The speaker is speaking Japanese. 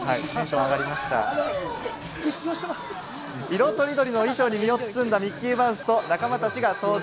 色とりどりの衣装に身を包んだミッキーマウスと仲間たちが登場。